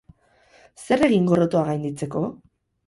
Zer egin gorrotoa gainditzeko?